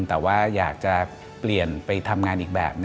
แต่ว่าอยากจะเปลี่ยนไปทำงานอีกแบบ